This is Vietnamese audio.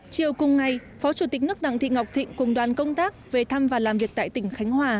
chiều cùng ngày phó chủ tịch nước đặng thị ngọc thịnh cùng đoàn công tác về thăm và làm việc tại tỉnh khánh hòa